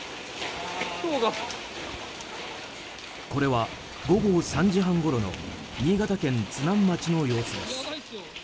これは午後３時半ごろの新潟県津南町の様子です。